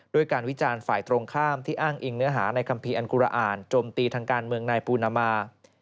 ด้วยการวิจารณ์ฝ่ายตรงข้ามที่อ้างอิงเนื้อหาในคัมภีร์อันกุระอ่านโจมตีทางการเมืองนายปูนามา